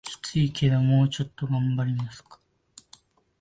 キツいけどもうちょっと頑張りますか